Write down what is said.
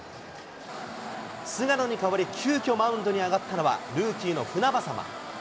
菅野に代わり、急きょマウンドに上がったのはルーキーの船迫。